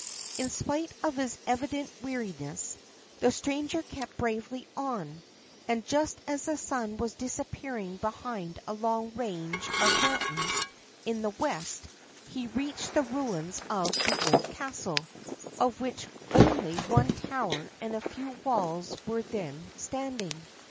In spite of his evident weariness, the stranger kept bravely on; and just as the sun was disappearing behind a long range of mountains in the west, he reached the ruins of the old castle, of which only one tower and a few walls were then standing.